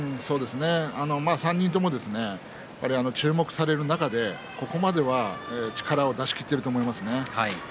３人とも注目される中でここまでは力を出し切っていると思いますね。